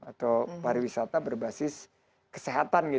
atau pariwisata berbasis kesehatan